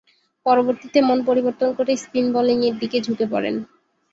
পরবর্তীতে মন পরিবর্তন করে স্পিন বোলিংয়ের দিকে ঝুঁকে পড়েন।